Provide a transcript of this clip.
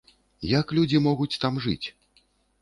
Як людзі могуць там жыць?